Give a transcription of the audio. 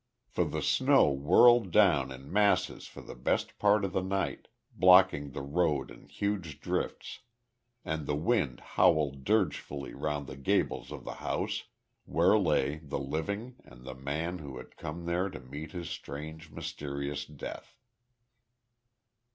For the snow whirled down in masses for the best part of the night, blocking the road in huge drifts, and the wind howled dirgefully round the gables of the house, where lay the living and the man who had come there to meet his strange, mysterious death.